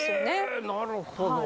なるほど。